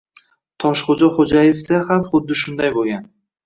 Toshxoʻja Xoʻjayevda ham xuddi shunday boʻlgan.